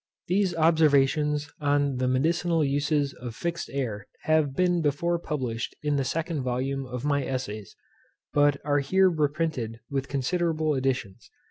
_ These Observations on the MEDICINAL USES OF FIXED AIR have been before published in the Second Volume of my Essays; but are here reprinted with considerable additions.